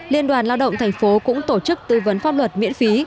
liên đoàn lao động tp hcm cũng tổ chức tư vấn pháp luật miễn phí